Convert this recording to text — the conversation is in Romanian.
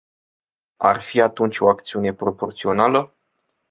Ar fi atunci o acțiune proporțională?